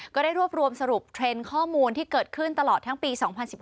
ก็ได้รวบรวมสรุปเทรนด์ข้อมูลที่เกิดขึ้นตลอดทั้งปี๒๐๑๕